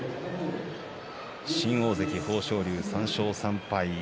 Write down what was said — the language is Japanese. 新大関、豊昇龍３勝３敗。